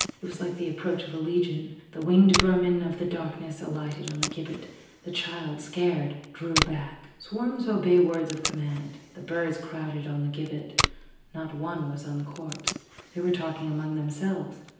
It was like the approach of a Legion. The winged vermin of the darkness alighted on the gibbet; the child, scared, drew back. Swarms obey words of command: the birds crowded on the gibbet; not one was on the corpse. They were talking among themselves.